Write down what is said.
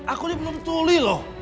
aku ini belum tertulis loh